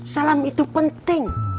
salam itu penting